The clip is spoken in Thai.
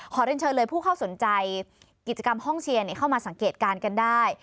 เรียนเชิญเลยผู้เข้าสนใจกิจกรรมห้องเชียร์เข้ามาสังเกตการณ์กันได้